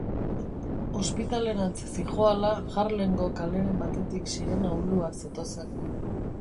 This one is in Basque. Ospitalerantz zihoala Harlemgo kaleren batetik sirena uluak zetozen.